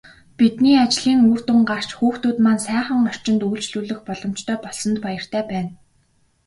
Бидний ажлын үр дүн гарч, хүүхдүүд маань сайхан орчинд үйлчлүүлэх боломжтой болсонд баяртай байна.